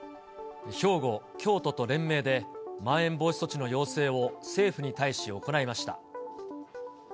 兵庫、京都と連名で、まん延防止措置の要請を政府に対し行いました。